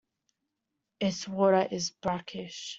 Its water is brackish.